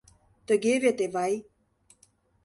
Тыге вет, Эвай?